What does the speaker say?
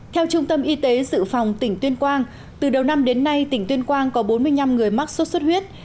theo trung tâm y tế dự phòng tỉnh tuyên quang từ đầu năm đến nay tỉnh tuyên quang có bốn mươi năm người mắc sốt xuất huyết